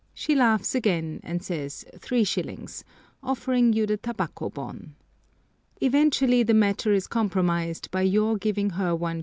she laughs again and says 3s., offering you the tabako bon. Eventually the matter is compromised by your giving her 1s.